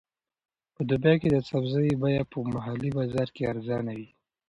په دوبي کې د سبزیو بیه په محلي بازار کې ارزانه وي.